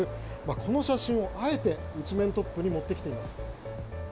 この写真をあえて１面トップに持ってきています。